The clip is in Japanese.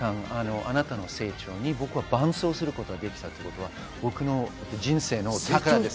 １６年間、あなたの成長に僕は伴走することができたということは、僕の人生の宝です。